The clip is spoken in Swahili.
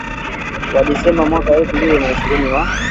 wa Disemba mwaka elfu mbili na ishirini wa